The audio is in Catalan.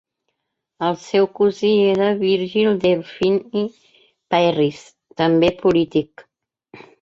El seu cosí era Virgil Delphini Parris, també polític.